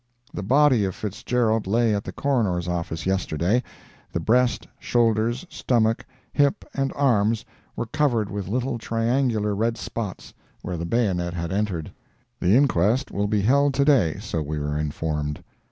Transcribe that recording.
The body of Fitzgerald lay at the Coroner's office yesterday; the breast, shoulders, stomach, hip and arms were covered with little triangular red spots, where the bayonet had entered. The inquest will be held to day, so we were informed.